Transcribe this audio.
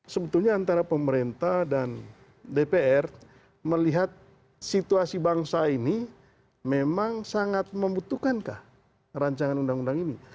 sebetulnya antara pemerintah dan dpr melihat situasi bangsa ini memang sangat membutuhkankah rancangan undang undang ini